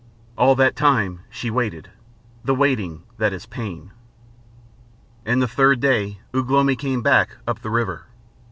All that time she waited the waiting that is pain. And the third day Ugh lomi came back, up the river.